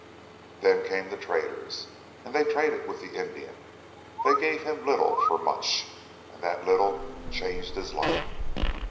"Then came the traders. And they traded with the Indian. They gave him little for much, and that little changed his life.